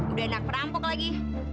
udah anak perampok lagi